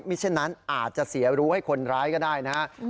ฉะนั้นอาจจะเสียรู้ให้คนร้ายก็ได้นะครับ